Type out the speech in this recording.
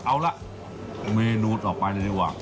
เอาละเมนูต่อไปเลยดีกว่า